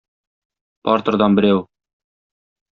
Партердан берәү.